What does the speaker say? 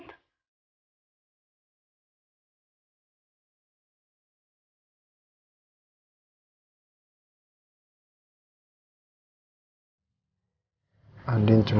jangan lupa like dan subscribe ya